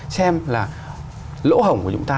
xem là lỗ hổng của chúng ta